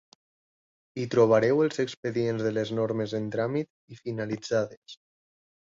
Hi trobareu els expedients de les normes en tràmit i finalitzades.